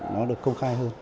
nó được công khai hơn